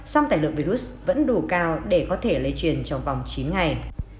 song tài lượng virus vẫn đủ cao để có thể lây truyền trong vòng chín ngày